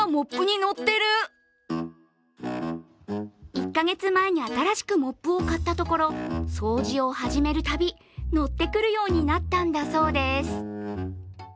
１か月前に新しくモップを買ったところ、掃除を始めるたび乗ってくるようになったんだそうです。